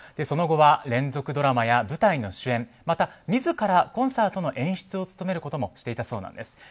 その後は連続ドラマや舞台の主演また自らコンサートの演出を務めることもしていたそうなんです。